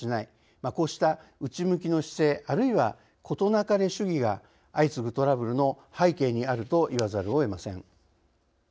こうした内向きの姿勢あるいは事なかれ主義が相次ぐトラブルの背景にあると言わざるをえません。